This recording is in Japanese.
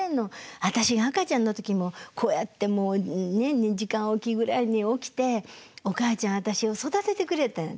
私が赤ちゃんの時もこうやってもう２時間置きぐらいに起きておかあちゃん私を育ててくれたやん」